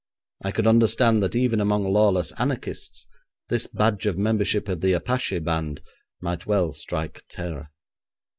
I could understand that even among lawless anarchists this badge of membership of the Apache band might well strike tenor.